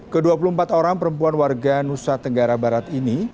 ke dua puluh empat orang perempuan warga nusa tenggara barat ini